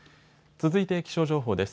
続いて気象情報です。